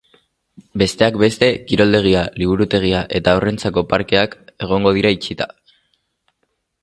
Besteak beste, kiroldegia, liburutegia eta haurrentzako parkeak egongo dira itxita.